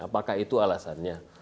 apakah itu alasannya